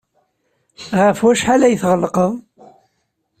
Ɣef wacḥal ay tɣellqeḍ?